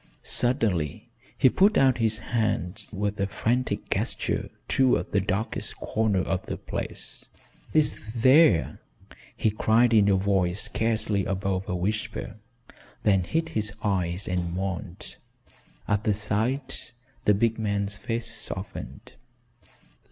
Suddenly he put out his hand with a frantic gesture toward the darkest corner of the place, "It's there," he cried in a voice scarcely above a whisper, then hid his eyes and moaned. At the sight, the big man's face softened.